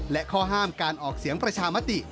และข้อห้ามการออกเสียงประชามติ